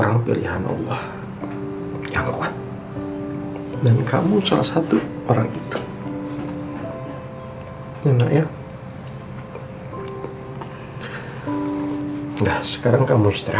maafin mama karena saat itu mama harus melindungi elsa